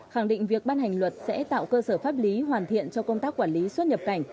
khẳng định việc ban hành luật sẽ tạo cơ sở pháp lý hoàn thiện cho công tác quản lý xuất nhập cảnh